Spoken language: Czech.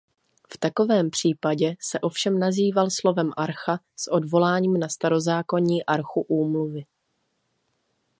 V takovém případě se ovšem nazýval slovem archa s odvoláním na starozákonní archu úmluvy.